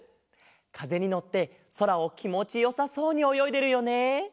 かぜにのってそらをきもちよさそうにおよいでるよね。